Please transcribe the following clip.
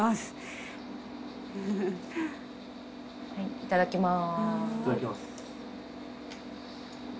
いただきます。